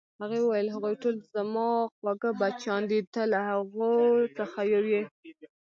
هغې وویل: هغوی ټول زما خواږه بچیان دي، ته له هغو څخه یو یې.